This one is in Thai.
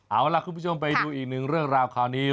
เอาล่ะคุณผู้ชมไปดูอีกหนึ่งเรื่องราวคราวนี้